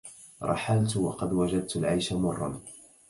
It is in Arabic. رحلت وقد وجدت العيش مرا